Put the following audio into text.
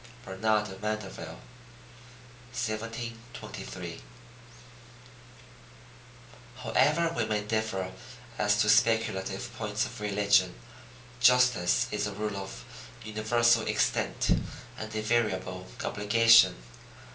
Bernard de Mandeville, 1723. However we may differ as to speculative points of religion, justice is a rule of universal extent and invariable obligation.